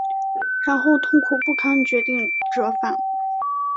然后痛苦不堪决定折返